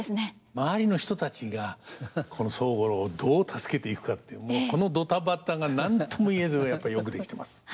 周りの人たちがこの宗五郎をどう助けていくかっていうこのドタバタが何とも言えずやっぱりよく出来てます。